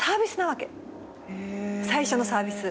最初のサービス。